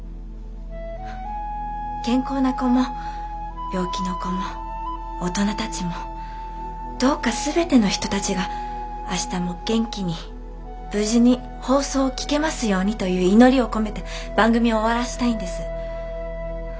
健康な子も病気の子も大人たちもどうか全ての人たちが明日も元気に無事に放送を聞けますようにという祈りを込めて番組を終わらせたいんです。